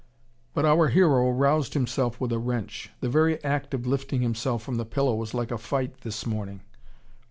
But our hero roused himself with a wrench. The very act of lifting himself from the pillow was like a fight this morning.